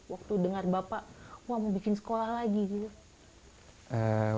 waktu dengar bapak wah mau bikin sekolah lagi gitu